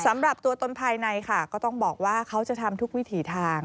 สำหรับตัวตนภายในค่ะก็ต้องบอกว่าเขาจะทำทุกวิถีทาง